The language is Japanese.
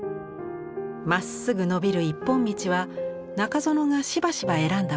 まっすぐ延びる一本道は中園がしばしば選んだモチーフです。